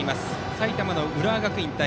埼玉の浦和学院対